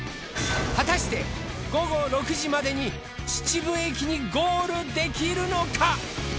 果たして午後６時までに秩父駅にゴールできるのか？